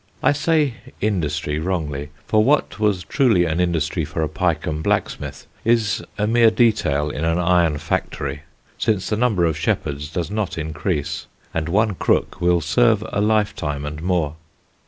I say "industry" wrongly, for what was truly an industry for a Pyecombe blacksmith is a mere detail in an iron factory, since the number of shepherds does not increase and one crook will serve a lifetime and more.